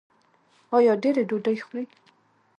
ایا ډیرې ډوډۍ خورئ؟